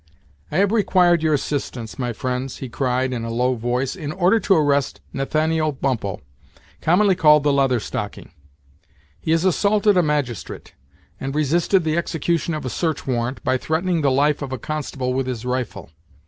"I have required your assistance, my friends," he cried, in a low voice, "in order to arrest Nathaniel Bumppo, commonly called the Leather Stocking He has assaulted a magistrate, and resisted the execution of a search warrant, by threatening the life of a constable with his rifle.